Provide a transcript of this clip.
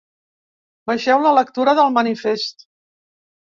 Vegeu la lectura del manifest.